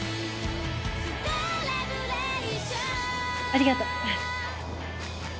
ありがとう。